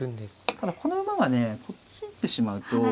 ただこの馬がねこっち行ってしまうと。